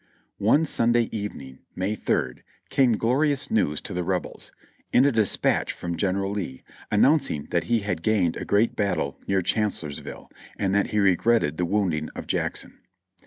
One Sunday evening. May third, came glorious news to the Reljels, in a dispatch from General Lee, announcing that he had gained a great battle near Chancellorsville; and that he regretted the wounding of Jackson.